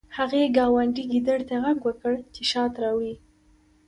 هغې ګاونډي ګیدړ ته غږ وکړ چې شات راوړي